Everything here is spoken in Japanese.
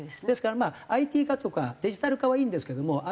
ですからＩＴ化とかデジタル化はいいんですけども。